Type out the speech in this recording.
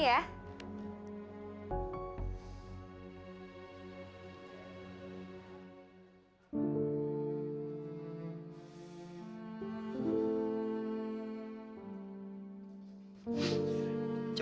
oh ya udah makasih ya